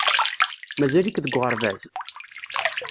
Mazal-ik deg uɣerbaz?